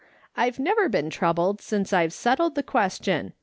" I've never been troubled since I've settled the question.